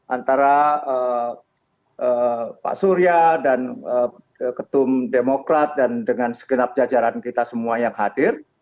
antara pak surya dan ketum demokrat dan dengan segenap jajaran kita semua yang hadir